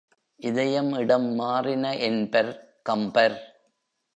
இதயம் இடம் மாறின என்பர் கம்பர்.